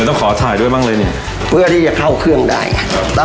ต้องขอถ่ายด้วยบ้างเลยเนี้ยเพื่อที่จะเข้าเครื่องได้ไง